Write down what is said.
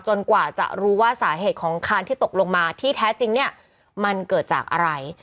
กว่าจะรู้ว่าสาเหตุของคานที่ตกลงมาที่แท้จริงเนี่ยมันเกิดจากอะไร